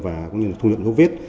và cũng như là thu nhận dấu vết